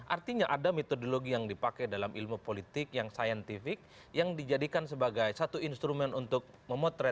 artinya ada metodologi yang dipakai dalam ilmu politik yang scientific yang dijadikan sebagai satu instrumen untuk memotret